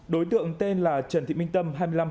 đối tượng tên là trần thị minh tâm